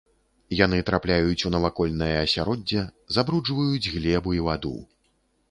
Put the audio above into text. Яны трапляюць у навакольнае асяроддзе, забруджваюць глебу і ваду.